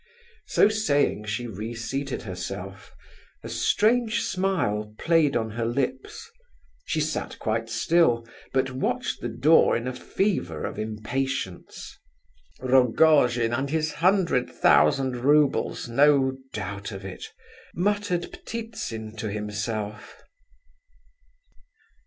So saying, she reseated herself; a strange smile played on her lips. She sat quite still, but watched the door in a fever of impatience. "Rogojin and his hundred thousand roubles, no doubt of it," muttered Ptitsin to himself.